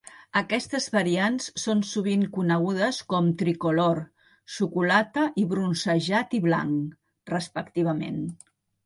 Aquestes variants són sovint conegudes com "Tri-Color", "Xocolata" i "Bronzejat i Blanc", respectivament.